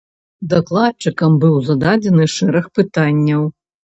Дакладчыкам быў зададзены шэраг пытанняў.